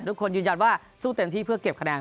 ทุกคนยืนยันว่าสู้เต็มที่เพื่อเก็บคะแนน